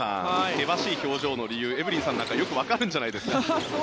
険しい表情の理由エブリンさんなんかよくわかるんじゃないですか？